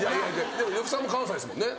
でも呂布さんも関西ですもんね。